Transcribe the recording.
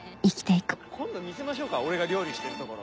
今度見せましょうか俺が料理してるところ。